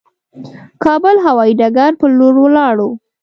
کابل هوايي ډګر پر لور ولاړو.